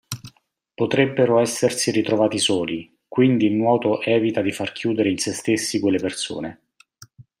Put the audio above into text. Potrebbero essersi ritrovati soli, quindi il nuoto evita di far chiudere in sé stessi quelle persone.